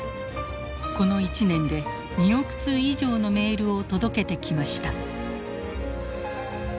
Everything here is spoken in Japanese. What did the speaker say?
この１年で２億通以上のメールを届けてきました。